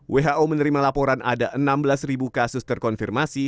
who menerima laporan ada enam belas kasus terkonfirmasi